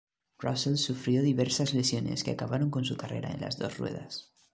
Russell sufrió diversas lesiones que acabaron con su carrera en las dos ruedas.